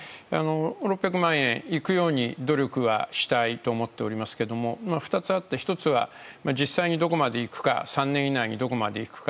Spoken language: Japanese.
６００万円にいくように努力はしたいと思っておりますが２つあって１つは実際にどこまでいくか３年以内にどこまでいくか。